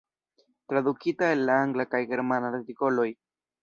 Tradukita el la angla kaj germana artikoloj.